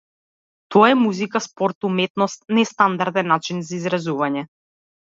Тоа е музика, спорт, уметност, нестандарден начин за изразување.